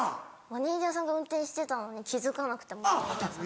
マネジャーさんが運転してたのに気付かなくてマネジャーさんも。